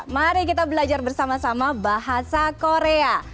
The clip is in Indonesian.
mari kita belajar bersama sama bahasa korea